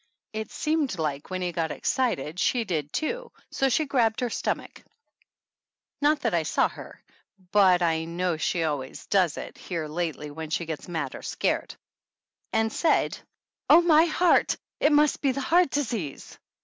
It seemed like when he got excited she did too, so she grabbed her stomach (not that I saw her, but I know she always does it here lately when she gets mad or scared) and said: "Oh, my heart ! It must be the heart disease